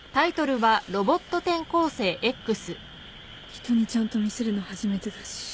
人にちゃんと見せるの初めてだし緊張する。